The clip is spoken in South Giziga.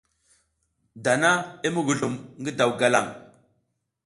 Dana i muguzlum ngi daw galang.